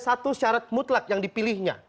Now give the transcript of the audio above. satu syarat mutlak yang dipilihnya